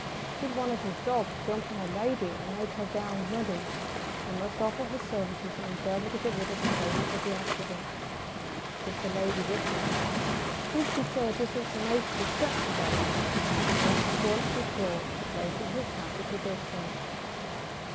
Should one of his dogs jump on a lady and make her gown muddy, he must offer his services and endeavour to get rid of the traces of the accident, if the lady wishes. Should she show a disinclination to accept his aid, he must at once withdraw, raising his hat as he does so.